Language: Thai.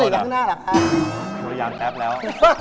เรียกแปปแล้ว